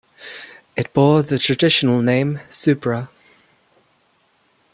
It bore the traditional name "Subra".